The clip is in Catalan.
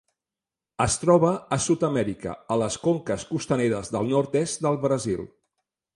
Es troba a Sud-amèrica, a les conques costaneres del nord-est del Brasil.